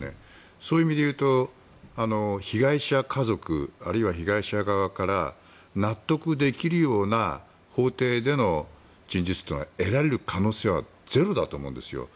そういう意味で言うと被害者家族あるいは被害者側から納得できるような法廷での陳述というのは得られる可能性はゼロだと思うんですよ。